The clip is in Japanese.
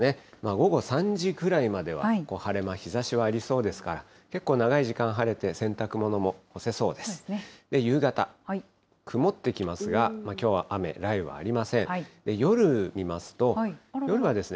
午後３時ぐらいまでは晴れ間、日ざしはありそうですから、結構長い時間晴れて、洗濯物も干せそうです。